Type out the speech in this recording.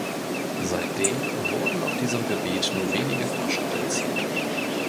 Seitdem wurden auf diesem Gebiet nur wenige Fortschritte erzielt.